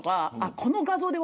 この画像で笑